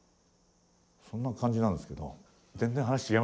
そんな感じなんですけどハハハハッ！